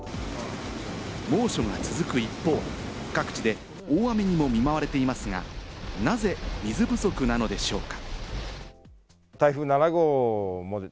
猛暑が続く一方、各地で大雨にも見舞われていますが、なぜ水不足なのでしょうか？